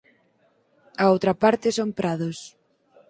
A outra parte son prados.